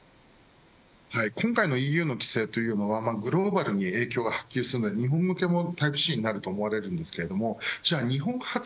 今回のＥＵの規制というのはグローバルに影響が波及するので日本向けをタイプＣになると思います。